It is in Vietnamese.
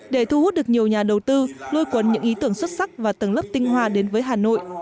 để thu hút được nhiều nhà đầu tư nuôi quấn những ý tưởng xuất sắc và tầng lớp tinh hoa đến với hà nội